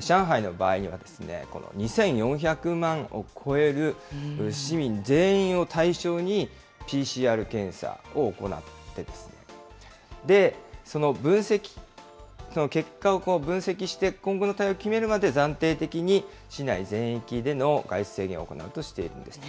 上海の場合には、この２４００万を超える市民全員を対象にＰＣＲ検査を行って、で、その結果を分析して、今後の対応を決めるまで、暫定的に市内全域での外出制限を行うとしているんです。